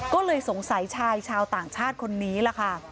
ก็เลยสงสัยชายชาวต่างชาติคนนี้ล่ะค่ะ